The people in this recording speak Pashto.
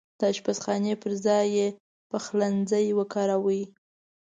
د اشپزخانې پرځاي پخلنځای وکاروئ